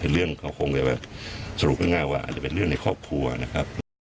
เรื่องเขาคงจะว่าสรุปง่ายว่าอาจจะเป็นเรื่องในครอบครัวนะครับ